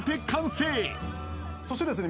そしてですね